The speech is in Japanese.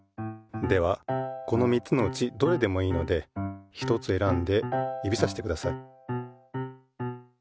ではこの３つのうちどれでもいいのでひとつ選んで指さしてください。